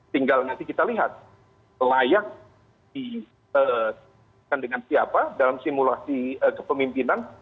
tinggal nanti kita lihat layak dengan siapa dalam simulasi kepemimpinan